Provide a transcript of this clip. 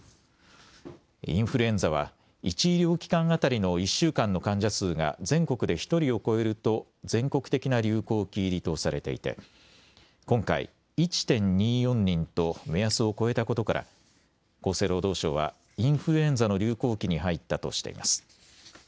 インフルエンザは１医療機関当たりの１週間の患者数が全国で１人を超えると全国的な流行期入りとされていて今回、１．２４人と目安を超えたことから厚生労働省はインフルエンザの流行期に入ったとしています。